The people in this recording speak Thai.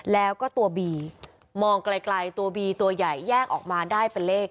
แล้วก็ตัวบีมองไกลตัวบีตัวใหญ่แยกออกมาได้เป็นเลข